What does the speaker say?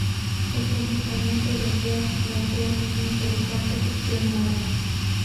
El comportamiento de Earl plantea una interesante cuestión moral.